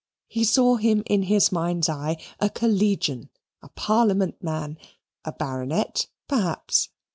He saw him in his mind's eye, a collegian, a Parliament man, a Baronet, perhaps.